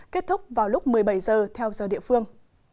kết thúc vào lúc một mươi bảy giờ theo giờ địa phương